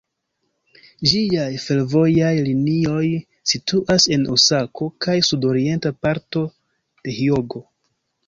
Ĝiaj fervojaj linioj situas en Osako kaj sud-orienta parto de Hjogo.